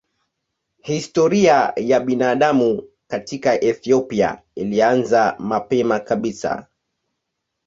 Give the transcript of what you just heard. Historia ya binadamu katika Ethiopia ilianza mapema kabisa.